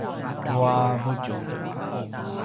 tua vutjulj